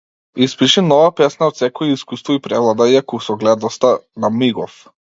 Испиши нова песна од секое искуство и превладај ја кусогледоста на мигов.